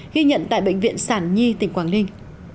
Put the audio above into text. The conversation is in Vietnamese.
ghi nhận tại bệnh viện sản nhi tỉnh quảng ninh